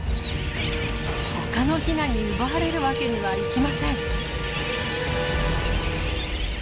他のヒナに奪われるわけにはいきません。